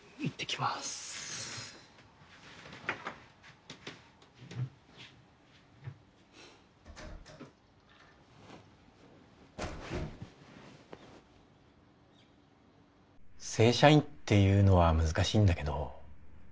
ガチャバタン正社員っていうのは難しいんだけど。